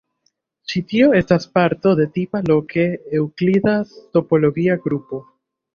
Ĉi-tio estas parto de tipa loke eŭklida topologia grupo.